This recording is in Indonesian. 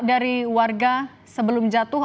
dari warga sebelum jatuh